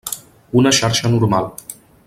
Una xarxa normal.